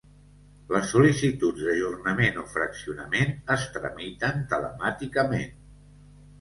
Les sol·licituds d'ajornament o fraccionament es tramiten telemàticament.